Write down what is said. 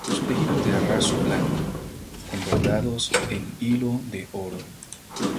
Su tejido es de raso blanco, con bordados en hilo de oro.